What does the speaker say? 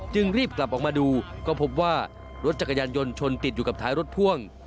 รีบกลับออกมาดูก็พบว่ารถจักรยานยนต์ชนติดอยู่กับท้ายรถพ่วง